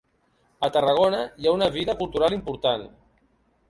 A Tarragona hi ha una vida cultural important.